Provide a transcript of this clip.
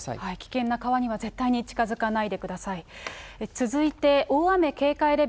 危険な川の絶対に近づかないでください。